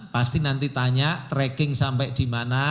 pasti nanti tanya tracking sampai di mana